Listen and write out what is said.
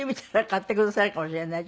買ってくださるかもしれないし。